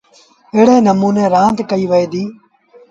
ايڙي نموٚني رآند ڪئيٚ وهي دي۔